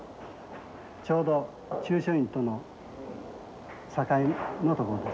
ちょうど中書院との境目の所です。